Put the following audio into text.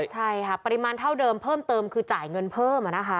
ใช่ค่ะปริมาณเท่าเดิมเพิ่มเติมคือจ่ายเงินเพิ่มนะคะ